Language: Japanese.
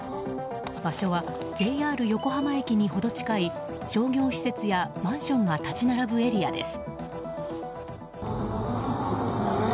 場所は、ＪＲ横浜駅に程近い商業施設やマンションが立ち並ぶエリアです。